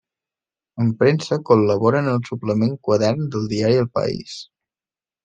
En premsa col·labora en el suplement Quadern del diari El País.